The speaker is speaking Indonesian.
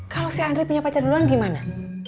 kalo andri punya pacar duluan gimana